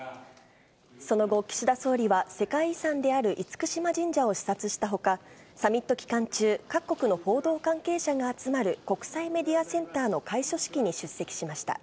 その後、岸田総理は世界遺産である厳島神社を視察したほか、サミット期間中、各国の報道関係者が集まる国際メディアセンターの開所式に出席しました。